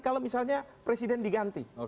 kalau misalnya presiden diganti